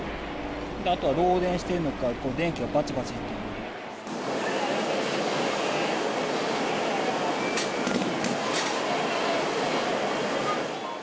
あとは漏電してるのか、電気がばちばちっていう。